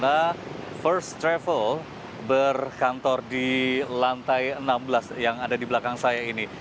karena first travel berkantor di lantai enam belas yang ada di belakang saya ini